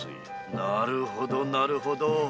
なるほどなるほど。